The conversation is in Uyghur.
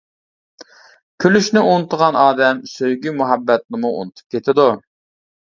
كۈلۈشنى ئۇنتۇغان ئادەم سۆيگۈ-مۇھەببەتنىمۇ ئۇنتۇپ كېتىدۇ.